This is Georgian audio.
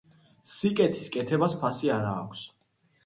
სიკეთის კეთებას ფასი არ ააქვს